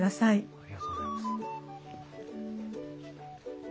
ありがとうございます。